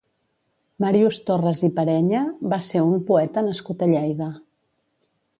Màrius Torres i Perenya va ser un poeta nascut a Lleida.